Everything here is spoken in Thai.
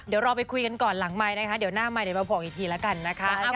เดี๋ยวเราไปคุยกันก่อนหลังไมค์นะคะเดี๋ยวหน้าไมค์เดี๋ยวมาบอกอีกทีแล้วกันนะคะ